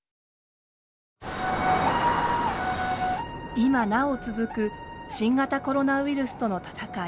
今なお続く新型コロナウイルスとの闘い。